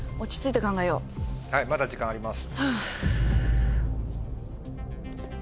はいまだ時間あります。